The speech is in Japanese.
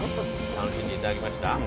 楽しんでいただけました？